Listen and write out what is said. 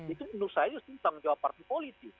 itu menurut saya justru tanggung jawab partai politik